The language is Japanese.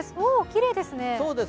きれいですね。